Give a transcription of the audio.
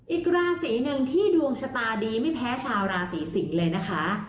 อีกราศีหนึ่งที่ดวงชะตาดีไม่แพ้ชาวราศีสิงศ์เลยนะคะ